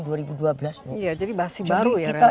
jadi bahasi baru ya renata